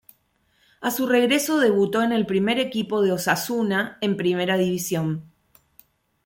A su regreso, debutó en el primer equipo de Osasuna en Primera División.